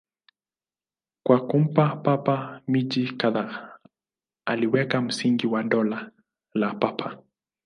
Kwa kumpa Papa miji kadhaa, aliweka msingi wa Dola la Papa.